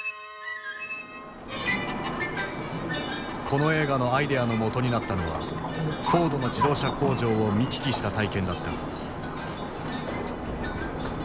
この映画のアイデアのもとになったのはフォードの自動車工場を見聞きした体験だった。